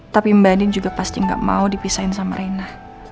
tapi mbak nin juga pasti gak mau dipisahin sama rena